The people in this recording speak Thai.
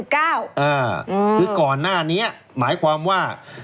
คือก่อนหน้านี้หมายความว่า